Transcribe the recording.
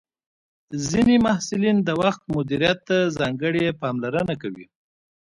ځینې محصلین د وخت مدیریت ته ځانګړې پاملرنه کوي.